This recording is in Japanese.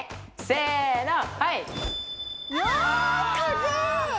せの！